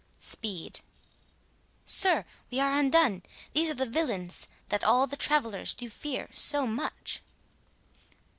Speed: Sir, we are undone! these are the villains That all the travellers do fear so much.